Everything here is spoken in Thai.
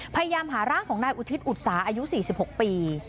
พยายามหาร่างของนายอุทิศอุตสาอายุ๔๖ปี